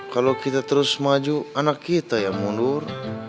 kalau kita terus maju anak kita yang mundur